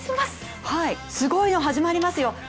すごいの始まりますよ！